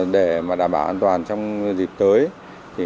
để đảm bảo an toàn trong dịp tới